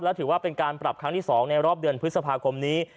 และถือว่าเป็นการปรับครั้งที่๒ในรอบเดือนพฤษภาคมนี้